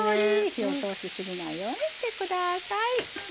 火を通しすぎないようにしてください。